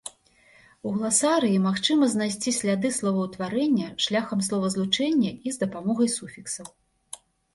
У гласарыі магчыма знайсці сляды словаўтварэння шляхам словазлучэння і з дапамогай суфіксаў.